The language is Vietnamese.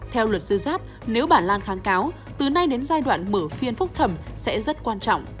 theo luật sư giáp nếu bà lan kháng cáo từ nay đến giai đoạn mở phiên phúc thẩm sẽ rất quan trọng